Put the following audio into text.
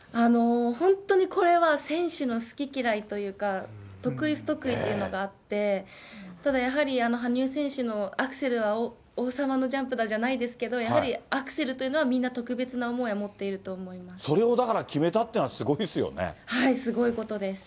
本当にこれは選手の好き嫌いというか、得意、不得意というのがあって、ただやはり、羽生選手のアクセルは王様のジャンプだじゃないですけれども、やはりアクセルというのは、みんな特別な思いは持っていると思いまそれを、だから決めたっていうのは、すごいですよね。